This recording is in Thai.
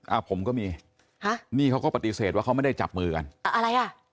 อ่าผมก็มีฮะนี่เขาก็ปฏิเสธว่าเขาไม่ได้จับมือกันอ่าอะไรอ่ะ